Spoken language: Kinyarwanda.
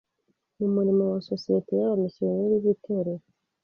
mu murimo wa Sosiyete y'Abamisiyoneri b'Itorero